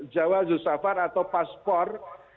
jawa zustafar atau paspor